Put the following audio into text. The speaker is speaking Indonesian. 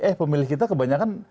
eh pemilih kita kebanyakan